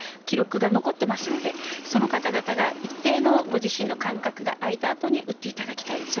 記録が残っていますのでその方々が、一定のご自身の間隔が空いたあとに打っていただきたい。